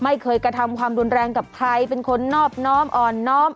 ไม่เคยกระทำความรุนแรงกับใครเป็นคนนอบน้อมอ่อนน้อม